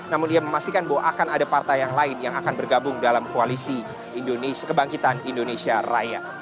namun dia memastikan bahwa akan ada partai yang lain yang akan bergabung dalam koalisi kebangkitan indonesia raya